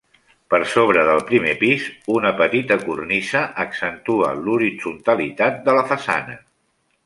Per sobre del primer pis una petita cornisa accentua l'horitzontalitat de la façana.